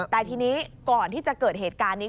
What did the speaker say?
แต่ทีนี้ก่อนที่จะเกิดเหตุการณ์นี้